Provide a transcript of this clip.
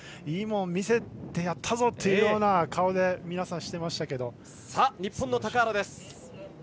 いいものを見せてやったぞ！という顔を皆さんしていましたけど。さあ、日本の高原です。